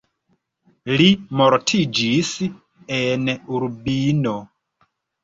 Li mortiĝis en Urbino.